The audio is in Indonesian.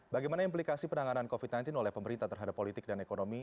bagaimana implikasi penanganan covid sembilan belas oleh pemerintah terhadap politik dan ekonomi